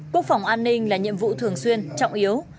quốc phòng an ninh là nhiệm vụ thường xuyên trọng yếu